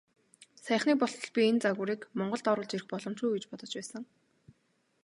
Саяхныг болтол би энэ загварыг Монголд оруулж ирэх боломжгүй гэж бодож байсан.